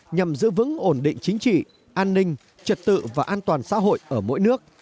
nhằm giữ vững ổn định chính trị an ninh trật tự và an toàn xã hội ở mỗi nước